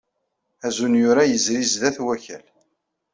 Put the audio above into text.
Azunyur-a yezri sdat Wakal.